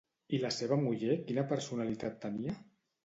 I la seva muller quina personalitat tenia?